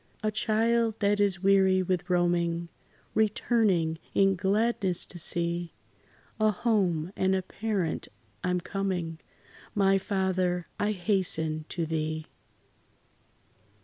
A child that is weary with roaming, Returning in gladness to see A home and a parent, I 'm coming My Father, I hasten to thee!